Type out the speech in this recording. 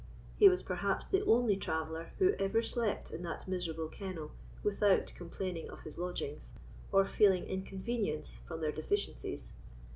He was perhaps the only traveller who ever slept in that miserable kennel without complaining of his lodgings, or feeling inconvenience from their deficiencies.